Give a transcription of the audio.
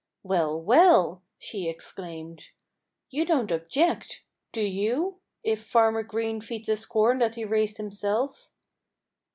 "Well! well!" she exclaimed. "You don't object do you? if Farmer Green feeds us corn that he raised himself."